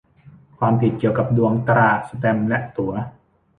ความผิดเกี่ยวกับดวงตรา แสตมป์และตั๋ว